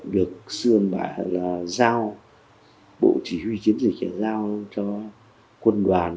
được xương bà là giao bộ chỉ huy chiến dịch giao cho quân đoàn